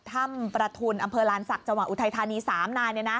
ถ้ำประทุนอำเภอลานศักดิ์จังหวัดอุทัยธานี๓นาย